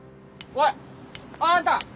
おいあんた！